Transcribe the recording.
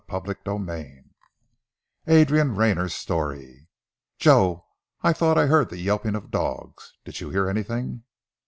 CHAPTER XVIII ADRIAN RAYNER'S STORY "JOE, I thought I heard the yelping of dogs. Did you hear anything?"